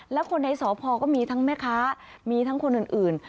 แล้วคนในสพก็มีทั้งแม่ค้ามีทั้งคนอื่น